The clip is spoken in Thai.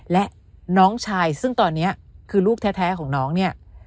และน้องชายซึ่งตอนนี้คือลูกแท้ของน้องเนี่ย